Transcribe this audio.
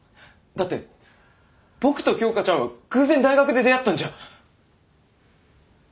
だって僕と京花ちゃんは偶然大学で出会ったんじゃ。